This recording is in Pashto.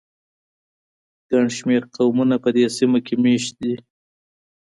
ګڼ شمېر قومونه په دې سیمه کې مېشت دي.